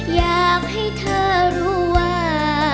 อยากให้เธอรู้ว่า